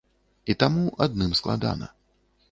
І таму адным складана.